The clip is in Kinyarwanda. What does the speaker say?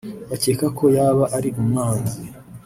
bakeka ko yaba ari umwanzi